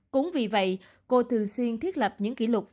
cũng vì vậy cô thường xuyên thiết lập những kỹ lập